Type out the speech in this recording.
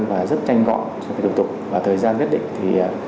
và rất nhanh gọn về thủ tục và thời gian nhất định